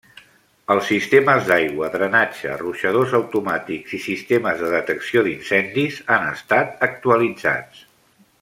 Els sistemes d'aigua, drenatge, ruixadors automàtics i sistemes de detecció d'incendis han estat actualitzats.